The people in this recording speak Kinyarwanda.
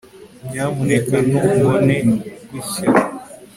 Nyamuneka ntumbone gutya